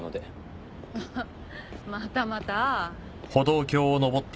またまた。